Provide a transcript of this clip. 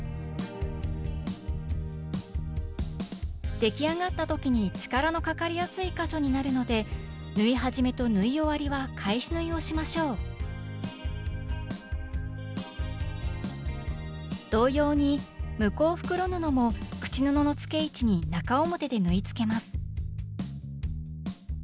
出来上がった時に力のかかりやすい箇所になるので縫い始めと縫い終わりは返し縫いをしましょう同様に向こう袋布も口布の付け位置に中表で縫いつけます